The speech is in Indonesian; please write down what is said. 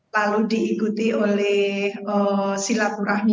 lalu diikuti oleh silapurahmi mulia